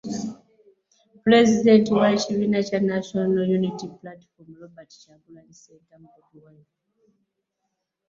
Pulezidenti w'ekibiina kya National Unity Platform Robert Kyagulanyi Ssentamu, Bobi Wine